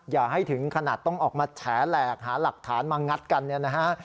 อย่าให้ถึงขนาดต้องออกมาแฉแหลกหาหลักฐานมางัดกันเนี่ยนะฮะ